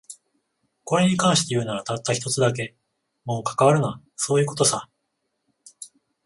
これに関して言うなら、たった一つだけ。もう関わるな、そういう事さ。